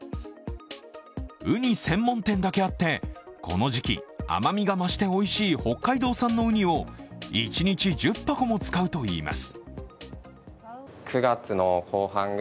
ウニ専門店だけあって、この時期、甘みが増しておいしい北海道産のウニを一日１０箱も使うといいます。